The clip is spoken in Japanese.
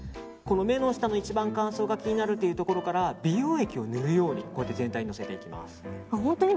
目の下の一番乾燥が気になるところから美容液を塗るように全体にのせていきます。